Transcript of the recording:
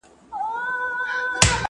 زاهده نن دي وار دی د مستیو، د رقصونو `